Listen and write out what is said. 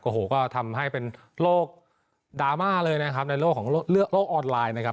โอ้โหก็ทำให้เป็นโรคดราม่าเลยนะครับในโลกของโลกออนไลน์นะครับ